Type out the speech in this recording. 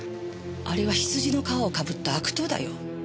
あれは羊の皮をかぶった悪党だよ。